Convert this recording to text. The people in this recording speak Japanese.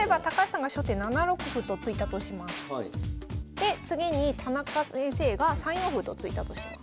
で次に田中先生が３四歩と突いたとします。